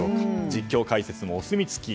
実況、解説もお墨付き。